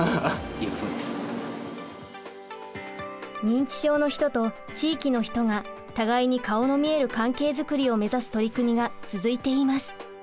認知症の人と地域の人が互いに顔の見える関係づくりを目指す取り組みが続いています。